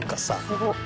すごっ。